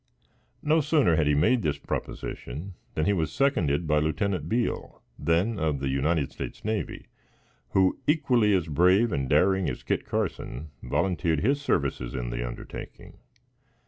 No sooner had he made this proposition than he was seconded by Lieutenant Beale, then of the United States Navy, who, equally as brave and daring as Kit Carson, volunteered his services in the undertaking.